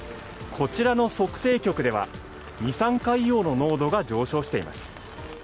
こちらの測定局では二酸化硫黄の濃度が上昇しています。